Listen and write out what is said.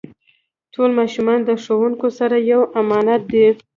ټول ماشومان د ښوونکو سره یو امانت دی.